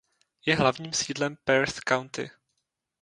Je hlavním sídlem Perth County.